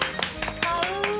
買う！